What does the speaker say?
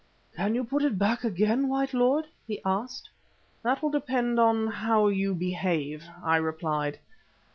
"Can you put it back again, white lord?" he asked. "That will depend upon how you behave," I replied.